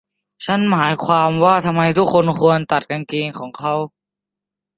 ฉันหมายความว่า ทำไมทุกคนควรตัดกางเกงของเขา ?